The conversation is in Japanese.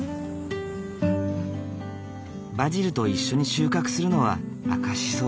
バジルと一緒に収穫するのはアカシソ。